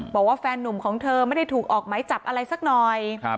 บอกว่าแฟนนุ่มของเธอไม่ได้ถูกออกไหมจับอะไรสักหน่อย